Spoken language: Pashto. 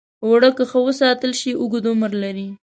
اوړه که ښه وساتل شي، اوږد عمر لري